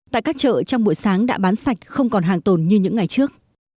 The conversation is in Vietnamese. tại các chợ trong buổi sáng đã bán sạch không còn hàng tồn như những ngày trước